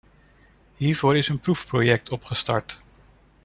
Hiervoor is een proefproject opgestart.